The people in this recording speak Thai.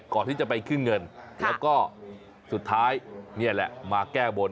ก่อนที่จะไปขึ้นเงินแล้วก็สุดท้ายนี่แหละมาแก้บน